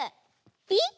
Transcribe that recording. ピッ！